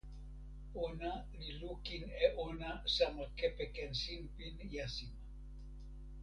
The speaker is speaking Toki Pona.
ona li lukin e ona sama kepeken sinpin jasima.